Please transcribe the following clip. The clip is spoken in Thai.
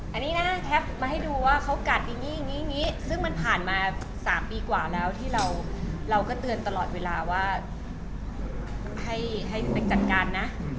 อันนี้นะแคปมาให้ดูว่าเขากัดอย่างนี้อย่างนี้ซึ่งมันผ่านมา๓ปีกว่าแล้วที่เราก็เตือนตลอดเวลาว่าให้ไปจัดการนะ